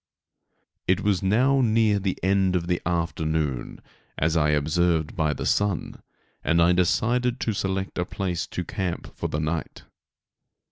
It was now near the end of the afternoon, as I observed by the sun, and I decided to select a place to camp for the night.